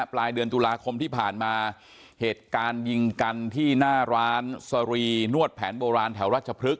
ปลายเดือนตุลาคมที่ผ่านมาเหตุการณ์ยิงกันที่หน้าร้านสรีนวดแผนโบราณแถวราชพฤกษ